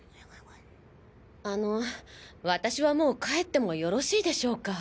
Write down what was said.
あの私はもう帰ってもよろしいでしょうか？